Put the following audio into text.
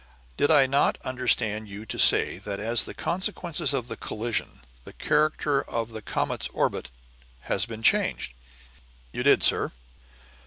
Did I not understand you to say that, as the consequence of the collision, the character of the comet's orbit has been changed?" "You did, sir."